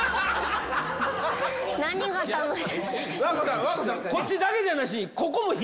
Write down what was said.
何が楽しい？